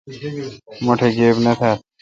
مٹھ گیب نہ تھال۔